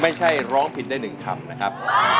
ไม่ใช่ร้องผิดได้๑คำนะครับ